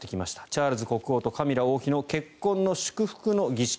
チャールズ国王とカミラ王妃の結婚祝福の儀式。